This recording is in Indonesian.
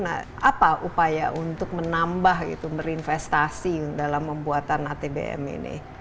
apa upaya untuk menambah itu berinvestasi dalam membuatan atbm ini